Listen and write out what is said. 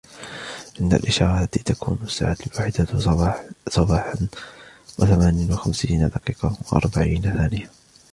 عند الإشارة تكون الساعة الواحدة صباحاً وثمانٍ وخمسين دقيقية وأربعين ثانية.